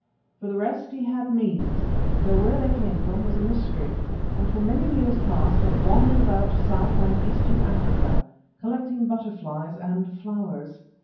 For the rest he had means, though where they came from was a mystery, and for many years past had wandered about South and Eastern Africa, collecting butterflies and flowers.